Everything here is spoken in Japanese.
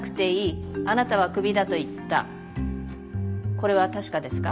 これは確かですか？